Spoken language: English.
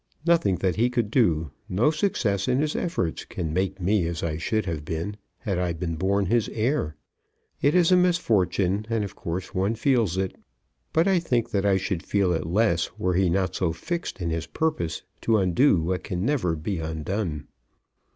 Nothing that he could do, no success in his efforts, can make me be as I should have been had I been born his heir. It is a misfortune, and of course one feels it; but I think I should feel it less were he not so fixed in his purpose to undo what can never be undone."